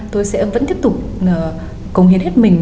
tôi sẽ vẫn tiếp tục cống hiến hết mình